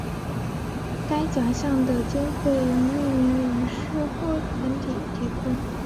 该奖项的经费由匿名人士或团体提供。